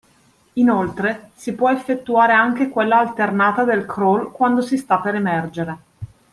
Inoltre si può effettuare anche quella alternata del crawl quando si sta per emergere.